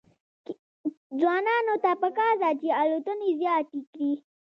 ځوانانو ته پکار ده چې، الوتنې زیاتې کړي.